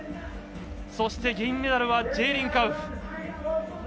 そして、銀メダルはジェーリン・カウフ。